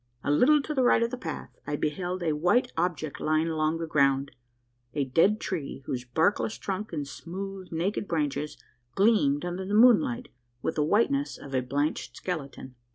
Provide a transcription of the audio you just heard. A little to the right of the path, I beheld a white object lying along the ground a dead tree, whose barkless trunk and smooth naked branches gleamed under the moonlight with the whiteness of a blanched skeleton.